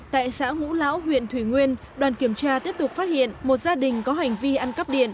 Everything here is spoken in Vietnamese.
tại xã ngũ lão huyện thủy nguyên đoàn kiểm tra tiếp tục phát hiện một gia đình có hành vi ăn cắp điện